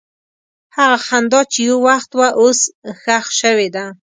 هغه خندا چې یو وخت وه، اوس ښخ شوې ده.